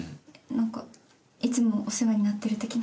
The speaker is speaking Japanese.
何かいつもお世話になってる的な？